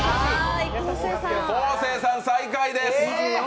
昴生さん最下位です。